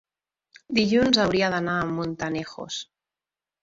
Dilluns hauria d'anar a Montanejos.